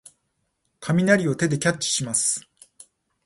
雷を手でキャッチします。